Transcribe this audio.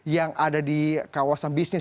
yang ada di kawasan bisnis